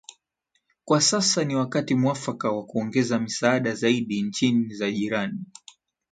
kwa sasa ni wakati muafaka wa kuongeza misaada zaidi nchini za jirani